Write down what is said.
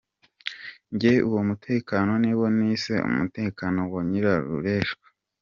Jye uwo mutekano niwo nise Umutekano wa nyirarureshwa.